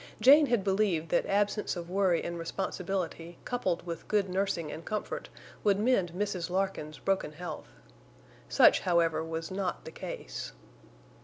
Jane had believed that absence of worry and responsibility coupled with good nursing and comfort would mend Mrs. Larkin's broken health. Such, however, was not the case.